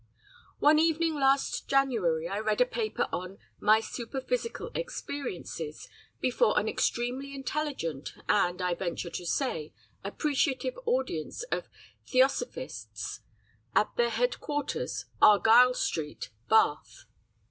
One evening last January I read a paper on "My Superphysical Experiences" before an extremely intelligent, and, I venture to say, appreciative audience of Theosophists, at their headquarters, Argyll Street, Bath.